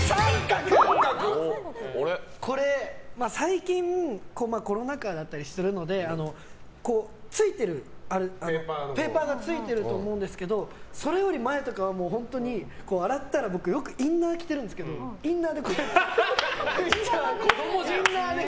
最近、コロナ禍だったりするのでペーパーがついてると思うんですけどそれより前とかは本当に洗ったら僕、よくインナー着てるんですけど子供じゃん。